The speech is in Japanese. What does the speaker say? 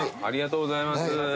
ありがとうございます。